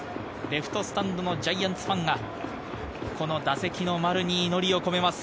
レフトスタンドのジャイアンツファンがこの打席の丸に祈りを込めます。